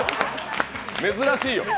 珍しいよ。